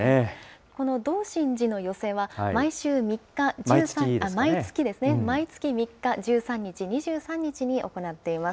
この道心寺の寄席は、毎月３日、１３日、２３日に行っています。